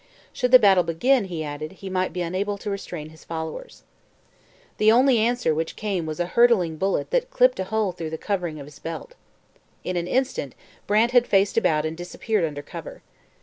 Should the battle begin, he added, he might be unable to restrain his followers. The only answer which came was a hurtling bullet that clipped a hole through the covering of his belt. In an instant Brant had faced about and disappeared under cover.